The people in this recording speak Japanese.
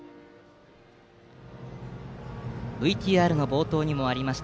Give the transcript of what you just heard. ＶＴＲの冒頭にもありました